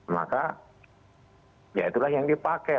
maka ya itulah yang dipakai